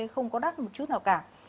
không có đắt một chút nào cả